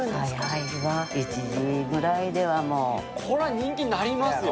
これは人気になりますよ。